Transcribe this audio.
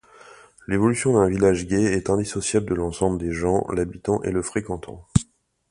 L'évolution d'un village gai est indissociable de l'ensemble des gens l'habitant et le fréquentant.